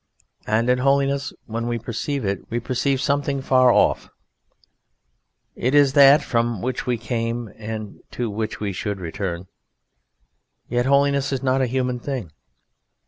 And in holiness, when we perceive it we perceive something far off; it is that from which we came and to which we should return; yet holiness is not a human thing.